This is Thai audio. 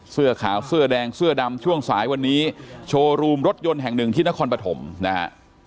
เสื้อขาวเสื้อแดงเสื้อดำช่วงสายวันนี้โชว์รูมรถยนต์แห่งหนึ่งที่นครปฐมนะฮะ